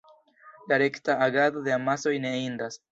La rekta agado de amasoj ne indas.